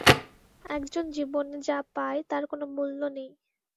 একজন জীবনে যা পায় তার কোনো মুল্য নেই।